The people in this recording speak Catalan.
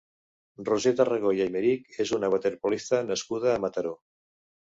Roser Tarragó i Aymerich és una waterpolista nascuda a Mataró.